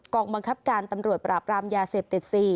องบังคับการตำรวจปราบรามยาเสพติด๔